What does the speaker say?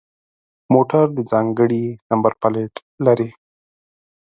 موټر د ځانگړي نمبر پلیت لري.